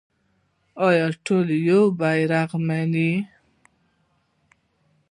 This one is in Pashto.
آیا ټول یو بیرغ مني؟